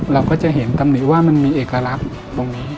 เราก็จะเห็นตำหนิว่ามันมีเอกลักษณ์ตรงนี้